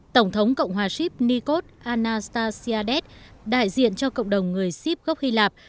tổng thống cộng hòa sip nikos anastasiades đại diện cho cộng đồng người sip gốc hy lạp